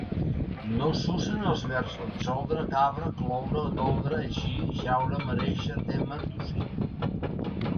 No s'usen els verbs absoldre, cabre, cloure, doldre, eixir, jaure, merèixer, témer, tossir.